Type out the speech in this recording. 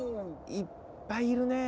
いっぱいいるねぇ。